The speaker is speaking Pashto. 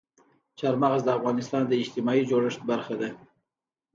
چار مغز د افغانستان د اجتماعي جوړښت برخه ده.